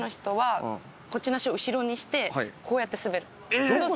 えっ！